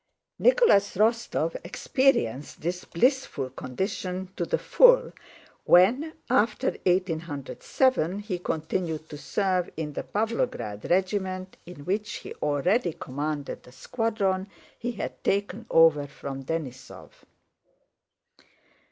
Nicholas Rostóv experienced this blissful condition to the full when, after 1807, he continued to serve in the Pávlograd regiment, in which he already commanded the squadron he had taken over from Denísov.